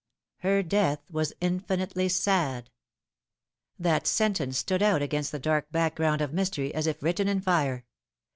" Her death was infinitely sad." That sentence stood out against the dark background of mystery as if written in fire.